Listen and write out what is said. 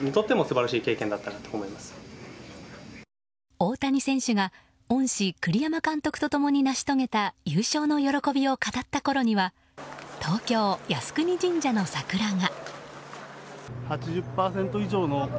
大谷選手が恩師・栗山監督と共に成し遂げた優勝の喜びを語ったころには東京・靖国神社の桜が。